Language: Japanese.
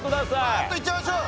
パーッと行っちゃいましょう。